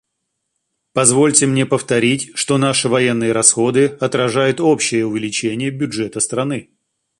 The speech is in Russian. Позвольте мне повторить, что наши военные расходы отражают общее увеличение бюджета страны.